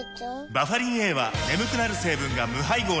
バファリンＡは眠くなる成分が無配合なんです